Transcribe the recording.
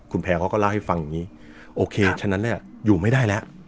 คุณแพรเขาก็เล่าให้ฟังอย่างนี้โอเคฉะนั้นเนี่ยอยู่ไม่ได้แล้ว